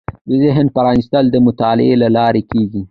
ذهن پرانېستل د مطالعې له لارې کېږي